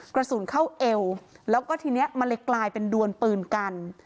กระสุนเข้าเอวแล้วก็ทีนี้มันเลยกลายเป็นดวนปืนกัน